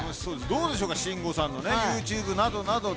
どうでしょうか、慎吾さんのＹｏｕＴｕｂｅとかで。